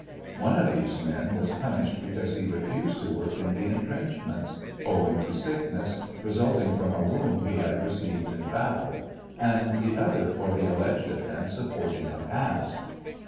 One of these men was punished because he refused to work in the intrenchments, owing to sickness, resulting from a wound he had received in battle, and the other for the alleged ofience of forging a puss.